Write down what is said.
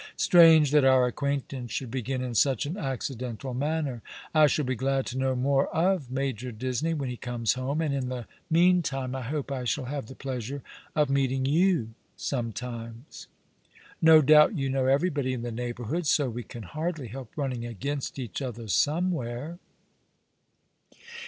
Strange that our acquaintance should begin in such an accidental manner. I shall be glad to know more of Major Disney when he comes home, and in the meantime " The Rain set early in To night!* 1 7 I liope I shall have the pleasure of meeting you sometimes. No doubt you know everybody in the neighbourhood, so we can hardly help running against each other somewhere."